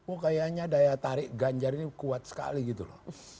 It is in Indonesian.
oh kayaknya daya tarik ganjar ini kuat sekali gitu loh